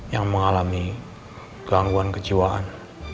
yang mengalami gangguan kejiwaan